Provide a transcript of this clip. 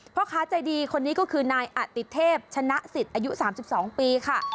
พ่อค้าใจดีคนนี้ก็คือนายอติเทพชนะสิทธิ์อายุ๓๒ปีค่ะ